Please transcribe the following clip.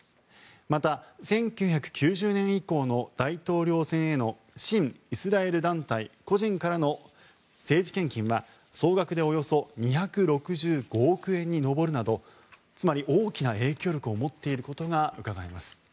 また、１９９０年以降の大統領選への親イスラエル団体・個人からの政治献金は総額でおよそ２６５億円に上るなど大きな影響力を持っていることがうかがえます。